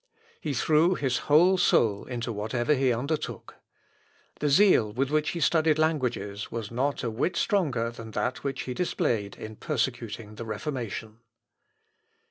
He threw his whole soul into whatever he undertook. The zeal with which he studied languages was not a whit stronger than that which he displayed in persecuting the Reformation.